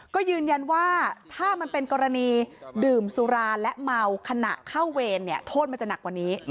ก็ยืนยันว่าถ้ามันเป็นกรณีดื่มสุราและเมาขณะเข้าเวรเนี่ยโทษมันจะหนักกว่านี้